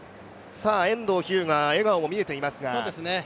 遠藤日向、笑顔も見えていますが。